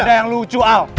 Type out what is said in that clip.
ada yang lucu al